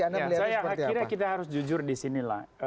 saya kira kita harus jujur di sini lah